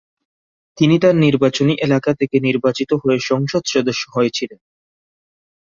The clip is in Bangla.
তিনি তার নির্বাচনী এলাকা থেকে নির্বাচিত হয়ে সংসদ সদস্য হয়েছিলেন।